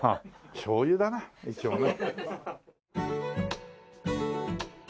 しょうゆだな一応な。